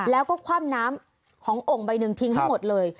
แล้วก็คว่ำน้ำขององค์ใบหนึ่งทิ้งให้หมดเลย